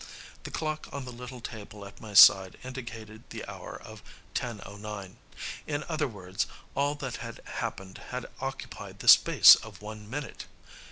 The clock on the little table at my side indicated the hour of 10:09 in other words, all that had happened had occupied the space of one minute!